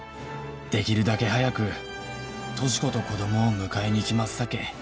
「できるだけ早く」「俊子と子供を迎えに行きますさけ」